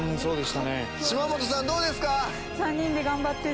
島本さんどうですか？